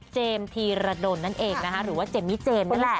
ธีรดลนั่นเองนะคะหรือว่าเจมมี่เจมส์นั่นแหละ